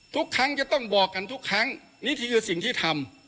ทุกครั้งจะต้องบอกกันทุกครั้งนี่คือสิ่งที่ทำ